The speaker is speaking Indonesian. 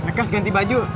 mereka harus ganti baju